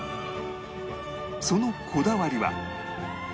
そのこだわりは